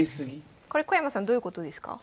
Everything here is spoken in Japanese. これ小山さんどういうことですか？